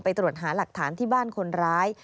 ตรวจหาหลักฐานที่บ้านคนร้าย